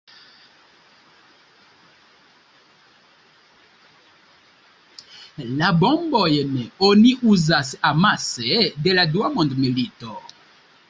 La bombojn oni uzas amase de la dua mondmilito.